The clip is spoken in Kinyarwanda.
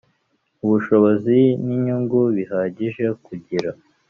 Ubushobozi n inyungu bihagije kugira